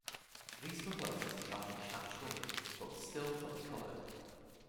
These were closer to Chinese shan shui, but still fully coloured.